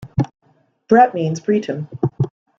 "Bret" means 'Breton'.